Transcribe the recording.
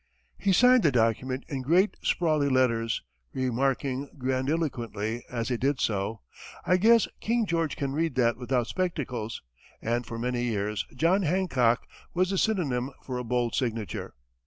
He signed the document in great sprawly letters, remarking grandiloquently, as he did so, "I guess King George can read that without spectacles," and for many years, "John Hancock" was the synonym for a bold signature.